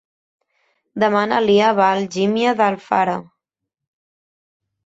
Demà na Lia va a Algímia d'Alfara.